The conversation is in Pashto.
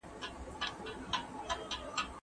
د انټرنیټ کارول د بې کارۍ ستونزه حل کولای سي.